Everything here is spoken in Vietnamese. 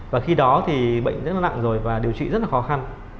và khi đó thì bệnh rất là nặng rồi và điều trị rất là khó khăn